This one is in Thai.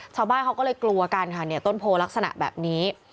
ชาวบ้านเขาก็เลยกลัวกันค่ะเนี่ยต้นโพลักษณะแบบนี้